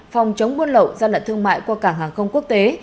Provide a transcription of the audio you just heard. phòng chống buôn lậu gian lận thương mại qua cảng hàng không quốc tế